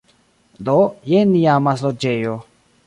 Do, jen nia amasloĝejo